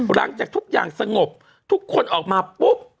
หลังจากทุกอย่างสงบทุกคนออกมาปุ๊บ